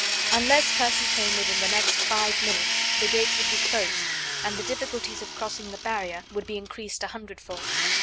Unless Percy came within the next five minutes the gates would be closed and the difficulties of crossing the barrier would be increased a hundredfold.